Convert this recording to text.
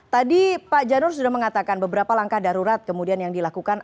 tadi pak janur sudah mengatakan beberapa langkah darurat kemudian yang dilakukan